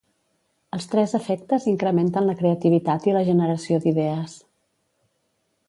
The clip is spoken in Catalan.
Els tres efectes incrementen la creativitat i la generació d'idees.